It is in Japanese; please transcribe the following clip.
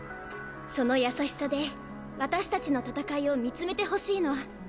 その優しさで私たちの戦いを見つめてほしいの。